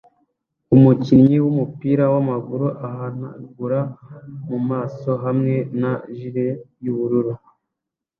Umukinnyi wumupira wamaguru ahanagura mumaso hamwe na jersey yubururu